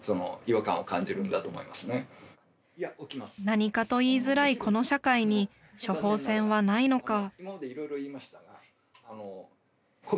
何かと言いづらいこの社会に処方箋はないのか？